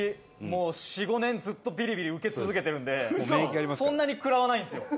もう４５年ずっとビリビリ受け続けてるんでそんなに食らわないんですよ」